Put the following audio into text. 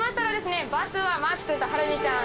バスはマーチ君とはるみちゃん